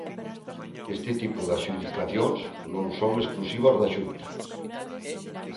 Este tipo de adxudicacións non son exclusivas da Xunta.